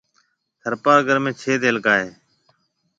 ٿرپارڪر ۾ ڇيَ تعلقہ ھيََََ